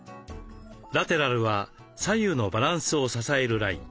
ラテラルは左右のバランスを支えるライン。